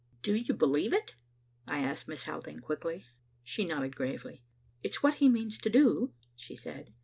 "Do you believe it?" I asked Miss Haldane quickly. She nodded gravely. "It's what he means to do," she said.